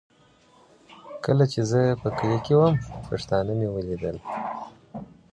کله چي زه په کلي کي وم، پښتانه مي ولیدل.